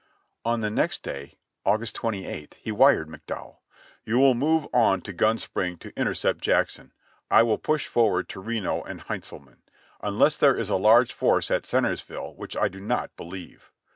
On the next day, August 28th, he wired McDowell: "You will move on to Gun Spring to intercept Jackson. I will push forward Reno and Heintzelman, unless there is a large force at Centerville, which I do not believe.